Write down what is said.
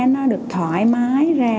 nó được thoải mái ra